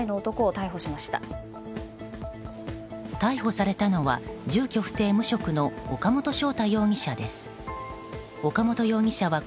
逮捕されたのは住居不定・無職の岡本翔太容疑者です。